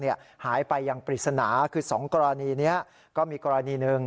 ยังปริศนาคือ๒กรณีนี้ก็มีกรณีหนึ่ง